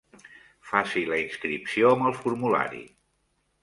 Faci la inscripció amb el formulari.